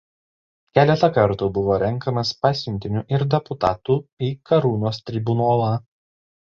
Keletą kartų buvo renkamas pasiuntiniu ir deputatu į Karūnos Tribunolą.